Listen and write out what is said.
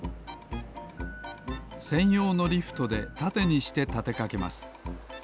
せんようのリフトでたてにしてたてかけます。